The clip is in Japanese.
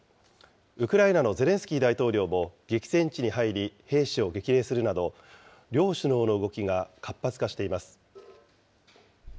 ウクライナのゼレンスキー大統領も激戦地に入り、兵士を激励するなど、両首脳の動きが活発化しています。